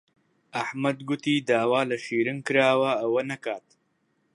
ئەحمەد گوتی داوا لە شیرین کراوە ئەوە نەکات.